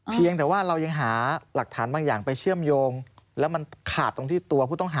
เพียงแต่ว่าเรายังหาหลักฐานบางอย่างไปเชื่อมโยง